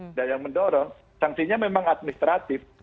tidak yang mendorong sanksinya memang administratif